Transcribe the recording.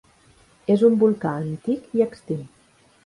És un volcà antic i extint.